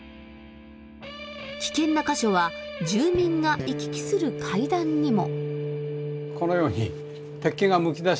危険な箇所は住民が行き来する階段にも。